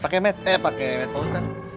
pakai med eh pakai med pak ustadz